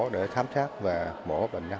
để thám thác và mổ bệnh nhân